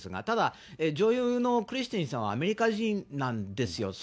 ただ、女優のクリステンさんはアメリカ人なんですよ。